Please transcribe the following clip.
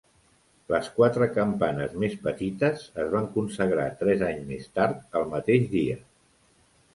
Les quatre campanes més petites es van consagrar tres anys més tard el mateix dia.